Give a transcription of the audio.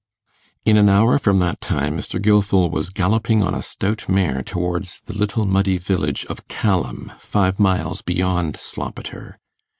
In an hour from that time Mr. Gilfil was galloping on a stout mare towards the little muddy village of Callam, five miles beyond Sloppeter.